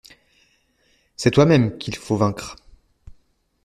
C'est toi-même qu'il faut vaincre